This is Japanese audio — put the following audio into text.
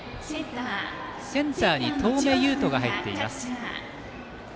センターに當銘雄人が入っています。